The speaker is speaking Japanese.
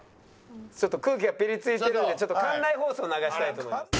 ちょっと空気がピリついてるんで館内放送流したいと思います。